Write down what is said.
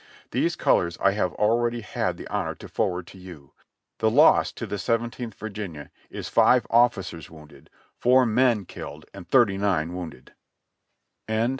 These colors I have already had the honor to forward to you. The loss to the Seventeenth Virginia is five officers wounded, four men killed and thirty nine wounded."